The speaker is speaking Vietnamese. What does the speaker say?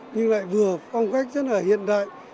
nhưng lại vừa phong cách rất là hiện đại